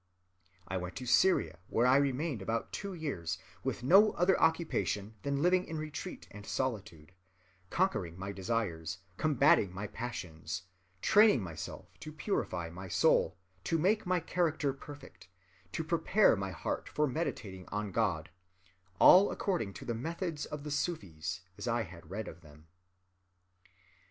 I went to Syria, where I remained about two years, with no other occupation than living in retreat and solitude, conquering my desires, combating my passions, training myself to purify my soul, to make my character perfect, to prepare my heart for meditating on God—all according to the methods of the Sufis, as I had read of them.